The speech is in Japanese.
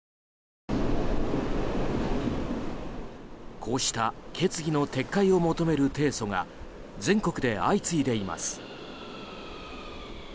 こうした決議の撤回を求める提訴が全国で相次いでいます。